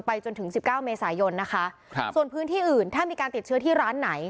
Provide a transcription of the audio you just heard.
จนถึงสิบเก้าเมษายนนะคะครับส่วนพื้นที่อื่นถ้ามีการติดเชื้อที่ร้านไหน